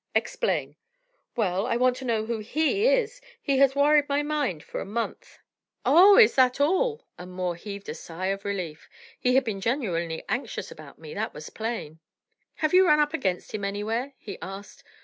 "Explain." "Well, I want to know who he is. He has worried my mind for a month." "Oh, is that all?" and Moore heaved a sigh of relief; he had been genuinely anxious about me, that was plain. "Have you run up against him anywhere?" he asked.